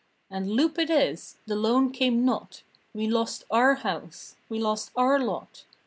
And loop it is! The loan came not! We lost our house! We lost our lot!